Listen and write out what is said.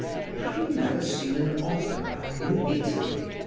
Have you never seen an opera in Italy?